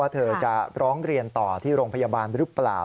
เธอจะร้องเรียนต่อที่โรงพยาบาลหรือเปล่า